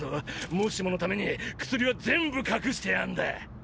もしものために薬は全部隠してあんだ！